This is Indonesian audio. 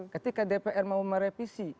ketika dpr mau merevisi